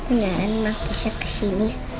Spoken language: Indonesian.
iya rena emang keysnya kesini